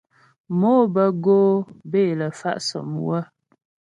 Mò bə́ go'o bə́ é lə fa' sɔ́mywə.